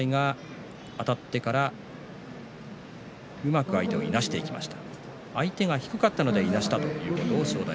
正代があたってからうまく相手をいなしていきました。